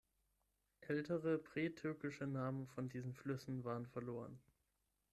Ältere Pre-Turkische Namen von diesen Flüssen waren verloren.